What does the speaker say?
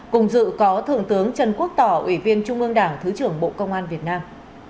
cùng dự có thượng tướng trần quốc tỏ ủy viên trung ương đảng thứ trưởng bộ công an việt nam